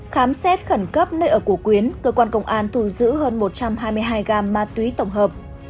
khám xét khẩn cấp nơi ở của quyến cơ quan công an thu giữ hơn một trăm hai mươi hai gam ma túy tổng hợp